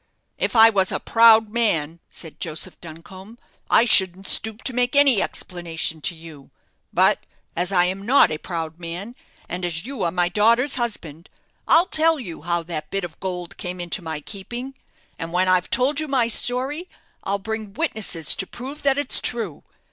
"If I was a proud man," said Joseph Duncombe, "I shouldn't stoop to make any explanation to you. But as I am not a proud man, and as you are my daughter's husband, I'll tell you how that bit of gold came into my keeping; and when I've told you my story, I'll bring witnesses to prove that it's true.